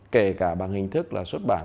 kể cả bằng hình thức là xuất bản